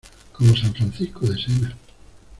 como San Francisco de Sena!